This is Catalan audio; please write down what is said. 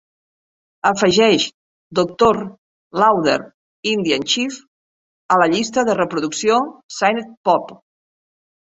Afegeix "Doctor, Lawyer, Indian Chief" a la llista de reproducció Synth Pop